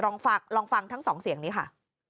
ลองฟังทั้งสองเสียงนี้ค่ะ